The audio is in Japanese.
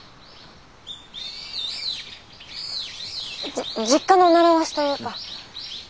じ実家の習わしというか。